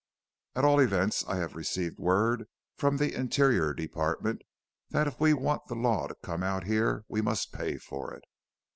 "At all events I have received word from the Interior Department that if we want the law to come out here we must pay for it.